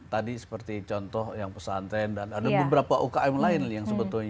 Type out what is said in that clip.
tadi seperti contoh yang pesantren dan ada beberapa ukm lain yang sebetulnya